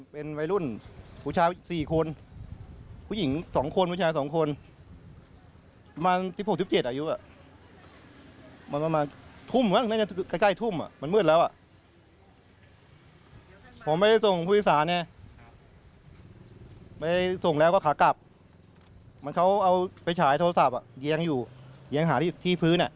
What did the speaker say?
เป็นที่เขาทิ้งไม้เสดไม้เสดไม้อย่างนี้